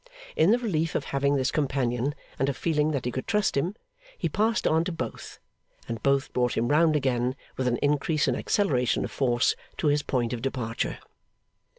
In the relief of having this companion, and of feeling that he could trust him, he passed on to both, and both brought him round again, with an increase and acceleration of force, to his point of departure.